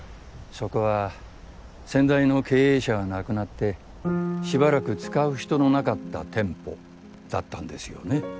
そこは先代の経営者が亡くなって暫く使う人のなかった店舗だったんですよね。